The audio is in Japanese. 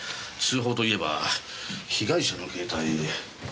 通報といえば被害者の携帯。